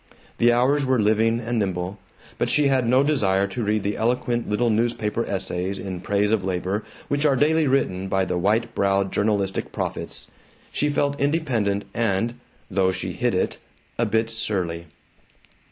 The hours were living and nimble. But she had no desire to read the eloquent little newspaper essays in praise of labor which are daily written by the white browed journalistic prophets. She felt independent and (though she hid it) a bit surly.